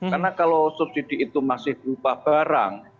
karena kalau subsidi itu masih berupa barang